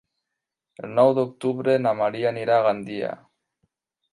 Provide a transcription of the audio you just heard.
El nou d'octubre na Maria anirà a Gandia.